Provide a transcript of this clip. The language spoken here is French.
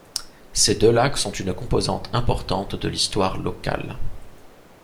Ces deux lacs sont une composante importante de l'histoire locale.